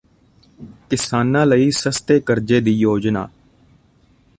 ਕਿਸਾਨਾਂ ਲਈ ਸਸਤੇ ਕਰਜ਼ੇ ਦੀ ਯੋਜਨਾ